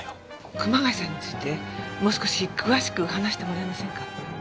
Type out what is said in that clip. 熊谷さんについてもう少し詳しく話してもらえませんか？